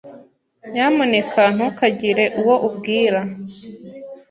Nyamuneka ntukagire uwo ubwira.